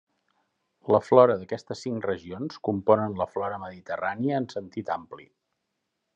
La flora d'aquestes cinc regions componen la flora mediterrània en sentit ampli.